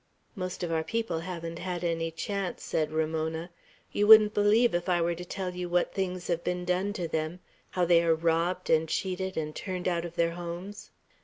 "Most of our people haven't had any chance," said Ramona. "You wouldn't believe if I were to tell you what things have been done to them; how they are robbed, and cheated, and turned out of their homes."